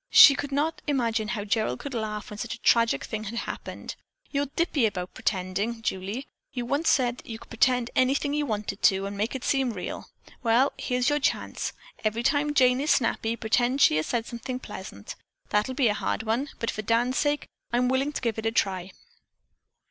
She could not imagine how Gerald could laugh when such a tragic thing had happened. "You're dippy about pretending, Julie. You once said you could pretend anything you wanted to, and make it seem real. Well, here's your chance. Every time Jane is snappy, pretend she has said something pleasant. That'll be a hard one, but for Dan's sake, I'm willing to give it a try."